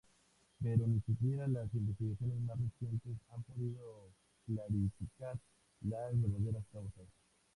Pero ni siquiera las investigaciones más recientes han podido clarificar las verdaderas causas.